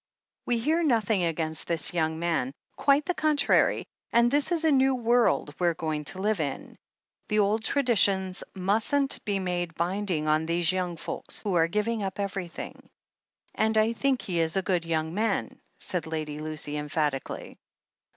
We hear nothing against this young man — quite the contrary — and this is a new world we're going to live in. The old traditions mustn't be made binding on these yotmg folk, who are giving up everything. And I think he is a good young man," said Lady Lucy emphatically.